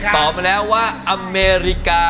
ตอบมาแล้วว่าอเมริกา